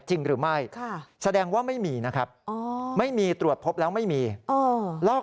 จริงหรือไม่แสดงว่าไม่มีนะครับไม่มีตรวจพบแล้วไม่มีลอก